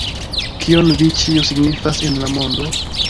Kion vi ĉiuj signifas en la mondo?